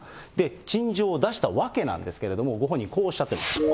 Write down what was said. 陳情を出した訳なんですけれども、ご本人、こうおっしゃってます。